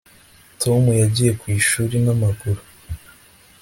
Tom yagiye ku ishuri namaguru